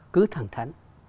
cứ thẳng thắn